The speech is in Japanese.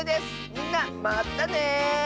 みんなまたね！